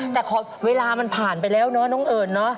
แต่เวลามันผ่านไปแล้วน้องเอิญ